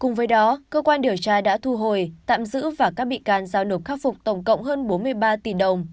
cùng với đó cơ quan điều tra đã thu hồi tạm giữ và các bị can giao nộp khắc phục tổng cộng hơn bốn mươi ba tỷ đồng